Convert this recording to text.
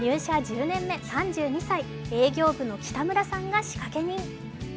入社１０年目、３２歳営業部の北村さんが仕掛け人。